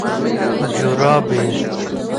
🧦جورابي